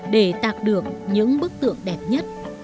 để tạc được những bức tượng đẹp nhất